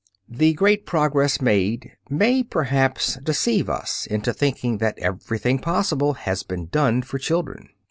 The great progress made may perhaps deceive us into thinking that everything possible has been done for children.